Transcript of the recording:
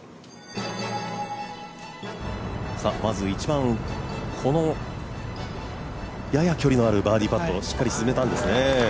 １番、このやや距離のあるバーディーパットをしっかり沈めたんですね。